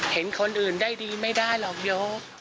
เห็นคนอื่นได้ดีไม่ได้หรอกโย